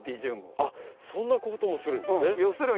あっそんなこともするんですね。